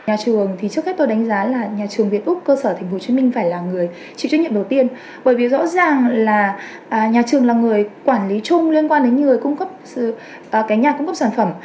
nhà trường thì trước hết tôi đánh giá là nhà trường việt úc cơ sở thành phố hồ chí minh phải là người chịu trách nhiệm đầu tiên bởi vì rõ ràng là nhà trường là người quản lý chung liên quan đến người cung cấp cái nhà cung cấp sản phẩm